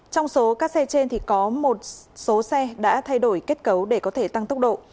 trong số các xe trên thì có một số xe đã thay đổi kết cấu để có thể tăng tốc độ